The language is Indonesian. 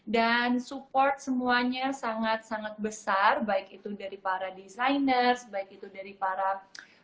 dan support semuanya sangat sangat besar baik itu dari para designers baik itu dari para tim dari yang putri jatim dari